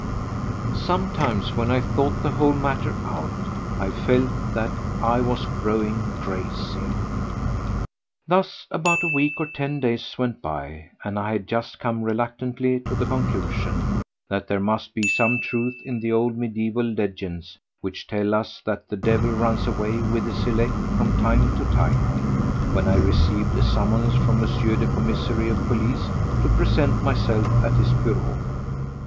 Sometimes when I thought the whole matter out I felt that I was growing crazy. 5. Thus about a week or ten days went by and I had just come reluctantly to the conclusion that there must be some truth in the old mediaeval legends which tell us that the devil runs away with his elect from time to time, when I received a summons from M. the Commissary of Police to present myself at his bureau.